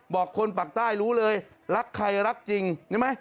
บอกคนปากใต้รู้เลยรักใครรักจริงใช่ไหม